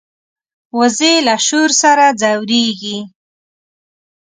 وزې له شور سره ځورېږي